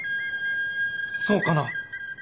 そうかな？